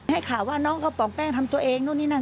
ให้ข่าวว่าน้องเขาปล่องแป้งทำตัวเองนู่นนี่นั่น